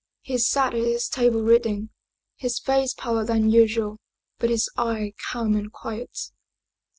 He sat at his table reading, his face paler than usual, but his eye calm and quiet.